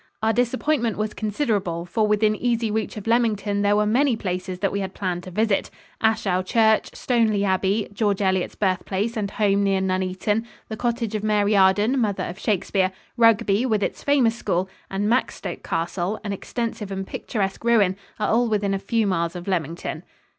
Our disappointment was considerable, for within easy reach of Leamington there were many places that we had planned to visit. Ashow Church, Stoneleigh Abbey, George Eliot's birthplace and home near Nuneaton, the cottage of Mary Arden, mother of Shakespeare, Rugby, with its famous school, and Maxstoke Castle an extensive and picturesque ruin are all within a few miles of Leamington.